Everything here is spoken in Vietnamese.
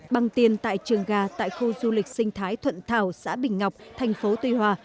bằng tiền tại trường gà tại khu du lịch sinh thái thuận thảo xã bình ngọc thành phố tuy hòa